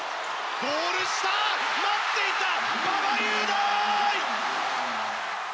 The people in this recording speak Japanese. ゴール下待っていた馬場雄大！